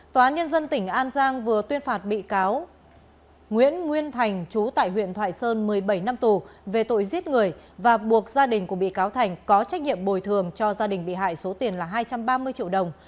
tòa án nhân dân tỉnh an giang vừa tuyên phạt bị cáo nguyễn nguyên thành chú tại huyện thoại sơn một mươi bảy năm tù về tội giết người và buộc gia đình của bị cáo thành có trách nhiệm bồi thường cho gia đình bị hại số tiền là hai trăm ba mươi triệu đồng